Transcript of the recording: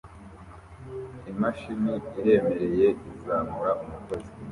Imashini iremereye izamura umukozi